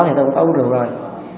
thì tôi cũng có uống rượu rồi